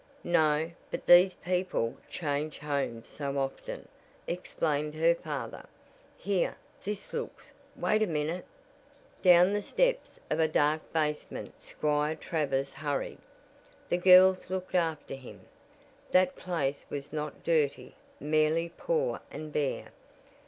"No, but these people change homes so often," explained her father. "Here, this looks wait a minute!" Down the steps of a dark basement Squire Travers hurried. The girls looked after him that place was not dirty, merely poor and bare.